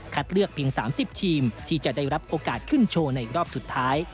เลือกเพียง๓๐ทีมที่จะได้รับโอกาสขึ้นโชว์ในรอบสุดท้าย